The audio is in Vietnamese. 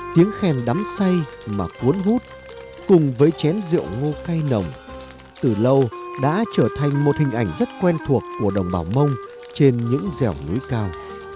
tiếng khen đắm say mà cuốn hút cùng với chén rượu ngô cay nồng từ lâu đã trở thành một hình ảnh rất quen thuộc của đồng bào mông trên những dẻo núi cao